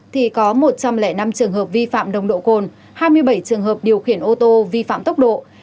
thì có một trăm linh năm trường hợp vi phạm nồng độ cồn hai mươi bảy trường hợp điều khiển ô tô vi phạm tốc độ